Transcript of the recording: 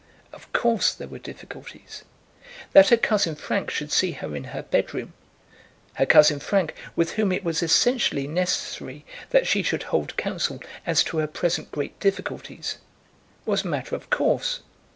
Of course there were difficulties. That her cousin Frank should see her in her bedroom, her cousin Frank, with whom it was essentially necessary that she should hold counsel as to her present great difficulties, was a matter of course.